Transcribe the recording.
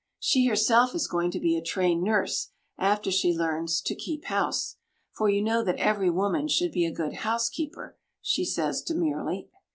She herself is going to be a trained nurse after she learns to "keep house." "For you know that every woman should be a good housekeeper," she says demurely.